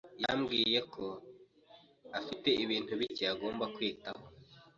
yambwiye ko afite ibintu bike agomba kwitaho.